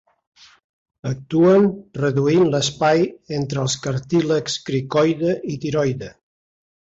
Actuen reduint l'espai entre els cartílags cricoide i tiroide.